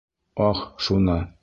— Ах шуны!